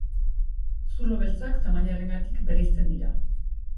Zulo beltzak tamainarengatik bereizten dira.